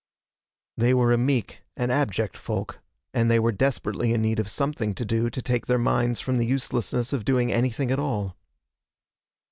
They were a meek and abject folk, and they were desperately in need of something to do to take their minds from the uselessness of doing anything at all.